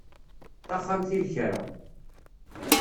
Taxxamt i lekra.